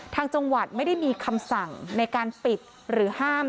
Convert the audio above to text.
ทางจังหวัดไม่ได้มีคำสั่งในการปิดหรือห้าม